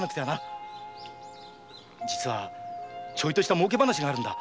実はちょいとした儲け話があるんだ。